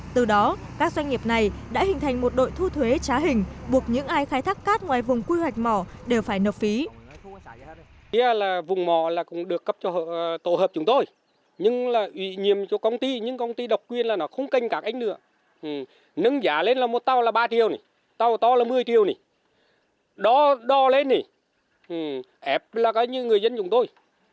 từ đó các doanh nghiệp này đã hình thành một đội thu thuế trá hình buộc những ai khai thác cát ngoài vùng quy hoạch mỏ đều phải nợ phí